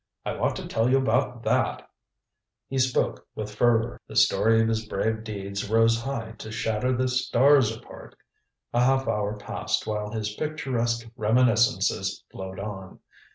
I want to tell you about that " He spoke with fervor. The story of his brave deeds rose high to shatter the stars apart. A half hour passed while his picturesque reminiscences flowed on.